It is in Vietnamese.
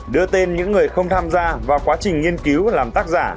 đưa tên những người không tham gia vào quá trình nghiên cứu làm tác giả